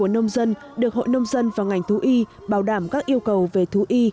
nông dân được hội nông dân và ngành thú y bảo đảm các yêu cầu về thú y